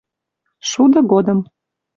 Шуды годым